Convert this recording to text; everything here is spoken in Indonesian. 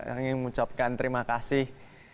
ingin mengucapkan terima kasih